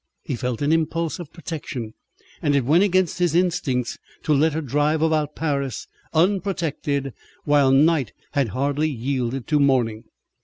He felt an impulse of protection, and it went against his instincts to let her drive about Paris unprotected, while night had hardly yielded to morning.